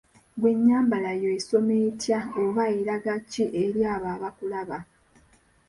Ggwe ennyambala yo esoma etya oba eraga ki eri abo abakulaba?